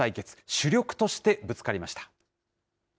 主力としてぶつかりました。